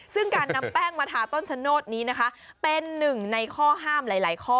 ซึ่งการนำแป้งมาทาต้นชะโนธนี้นะคะเป็นหนึ่งในข้อห้ามหลายข้อ